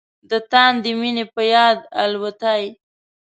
د تاندې مينې په یاد الوتای